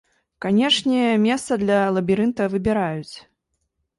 Канешне, месца для лабірынта выбіраюць.